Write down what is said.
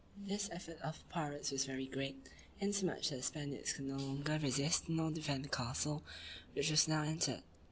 This effort of the pirates was very great, insomuch that the Spaniards could not longer resist nor defend the castle, which was now entered.